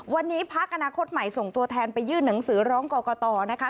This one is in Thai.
วันนี้พักอนาคตใหม่ส่งตัวแทนไปยื่นหนังสือร้องกรกตนะคะ